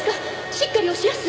しっかりおしやす！